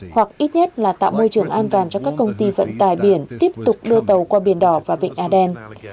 hoặc ít nhất là tạo môi trường an toàn cho các công ty vận tài biển tiếp tục đưa tàu qua biển đỏ và vịnh aden